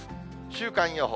週間予報。